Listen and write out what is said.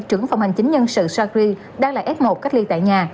trưởng phòng hành chính nhân sự sacri đang lại s một cách ly tại nhà